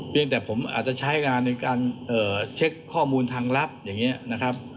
ยังแต่ผมอาจจะใช้งานในการเช็คข้อมูลทางลับอย่างนี้นะครับ